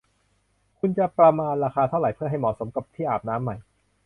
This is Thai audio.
คุณจะประมาณราคาเท่าไหร่เพื่อให้เหมาะสมกับที่อาบน้ำใหม่